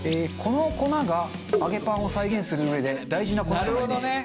この粉が揚げパンを再現するうえで大事な粉となります。